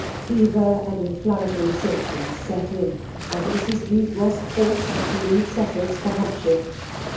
Fever and inflammatory symptoms set in, and Mrs. Bute was forced to leave Sussex for Hampshire.